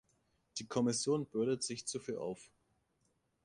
Die Kommission bürdet sich zu viel auf.